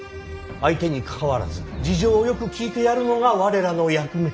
相手にかかわらず事情をよく聞いてやるのが我らの役目。